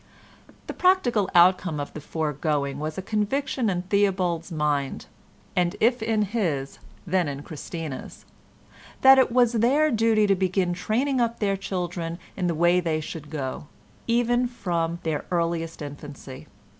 The practical outcome of the foregoing was a conviction in Theobald's mind, and if in his, then in Christina's, that it was their duty to begin training up their children in the way they should go, even from their earliest infancy.